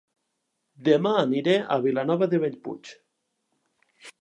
Dema aniré a Vilanova de Bellpuig